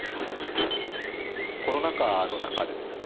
コロナ禍の中でですね